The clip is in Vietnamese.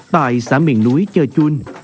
tại xã miền núi chơ chun